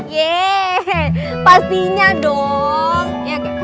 yee pastinya dong